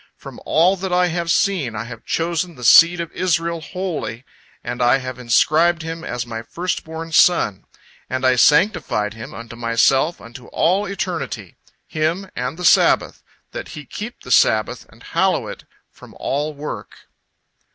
From all that I have seen, I have chosen the seed of Israel wholly, and I have inscribed him as My first born son, and I sanctified him unto Myself unto all eternity, him and the Sabbath, that he keep the Sabbath and hallow it from all work."